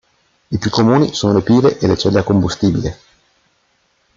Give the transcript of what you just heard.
I più comuni sono le pile e le celle a combustibile.